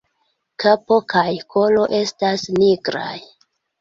Kapo kaj kolo estas nigraj.